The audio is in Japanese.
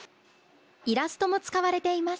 イラストも使われています。